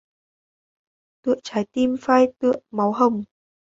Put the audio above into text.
Tựa trái tim phai tựa máu hồng.